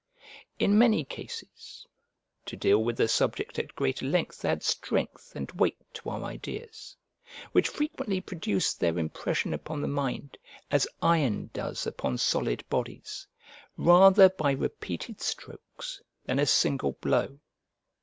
In many cases, to deal with the subject at greater length adds strength and weight to our ideas, which frequently produce their impression upon the mind, as iron does upon solid bodies, rather by repeated strokes than a single blow.